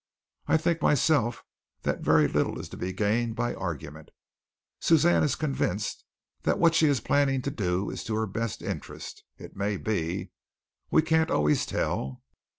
"I think myself that very little is to be gained by argument. Suzanne is convinced that what she is planning to do is to her best interest. It may be. We can't always tell.